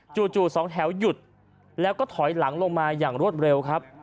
จู่สองแถวหยุดแล้วก็ถอยหลังลงมาอย่างรวดเร็วครับ